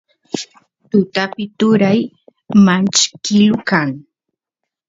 tutapi turay manchkilu kan